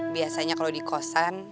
biasanya kalau di kosan